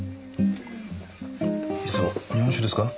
いつも日本酒ですか？